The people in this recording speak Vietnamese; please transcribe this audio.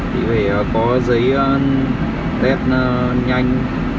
thì phải có giấy đét nhanh